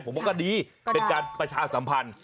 ผมว่าก็ดีเป็นการประชาสัมพันธ์